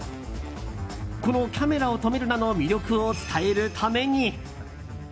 この「キャメラを止めるな！」の魅力を伝えるために。